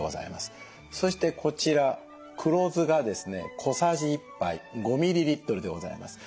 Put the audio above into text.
そしてこちら黒酢がですね小さじ１杯５ｍｌでございます。